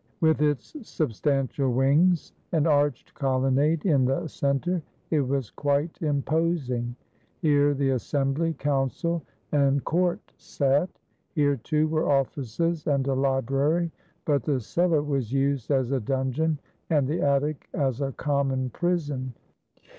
With its substantial wings and arched colonnade in the center it was quite imposing. Here the Assembly, Council, and Court sat. Here, too, were offices and a library. But the cellar was used as a dungeon and the attic as a common prison.